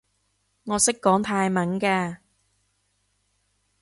我識講泰文㗎